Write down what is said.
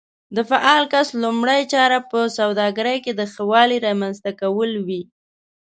د فعال کس لومړۍ چاره په سوداګرۍ کې د ښه والي رامنځته کول وي.